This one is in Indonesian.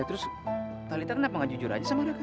ya terus nontalita kenapa nggak jujur aja sama raka